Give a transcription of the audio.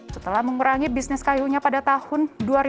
setelah mengurangi bisnis kayunya pada tahun dua ribu tujuh